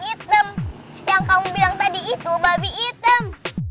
item yang kamu bilang tadi itu babi item